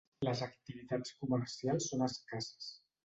Les activitats comercials són escasses.